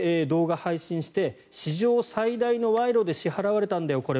動画配信して史上最大のわいろで支払われたんだよ